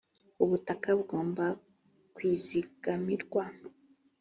ubutaka bugomba kwizigamirwa .